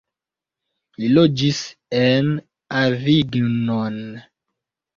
Li loĝis en Avignon.